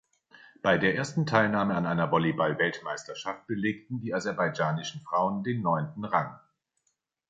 Bei der ersten Teilnahme an einer Volleyball-Weltmeisterschaft belegten die aserbaidschanischen Frauen den neunten Rang.